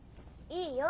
いいよ。